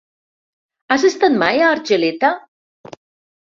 Has estat mai a Argeleta?